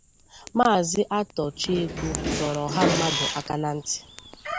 Maazị Arthur Chiekwu dọrọ ọha mmadụ aka na ntị